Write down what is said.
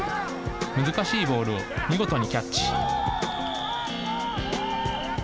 難しいボールを見事にキャッチ。